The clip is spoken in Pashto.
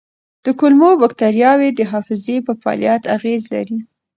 کولمو بکتریاوې د حافظې په فعالیت اغېز لري.